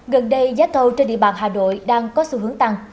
gần đây giá thầu trên địa bàn hà nội đang có xu hướng tăng